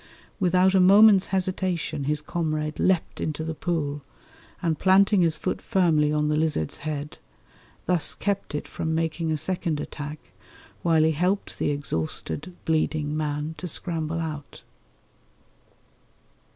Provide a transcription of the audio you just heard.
Without a moment's hesitation his comrade leapt into the pool and, planting his foot firmly on the lizard's head, thus kept it from making a second attack while he helped the exhausted, bleeding man to scramble out.